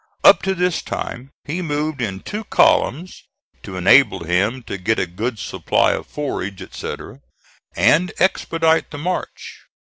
Up to this time he moved in two columns to enable him to get a good supply of forage, etc., and expedite the march.